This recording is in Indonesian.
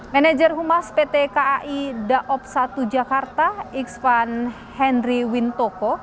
manager humas pt kai daob satu jakarta iksan henry wintoko